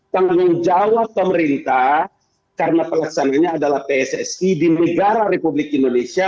tanggung jawab pemerintah karena pelaksananya adalah pssi di negara republik indonesia